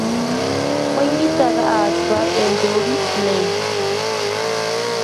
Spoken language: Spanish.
Fue invitada a actuar en Drury Lane.